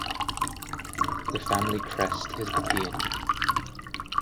The family crest is the peony.